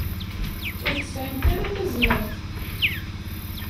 Ur tesɛimt ara tazmert.